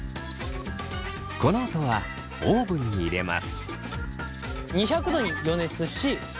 このあとはオーブンに入れます。